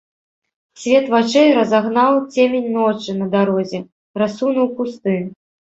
Свет вачэй разагнаў цемень ночы на дарозе, рассунуў кусты.